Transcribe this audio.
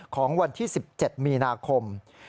ของวันที่๑๗มีนาคม